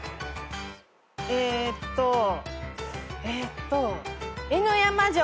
えーっとえーっと。